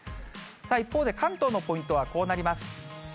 一方で関東のポイントはこうなります。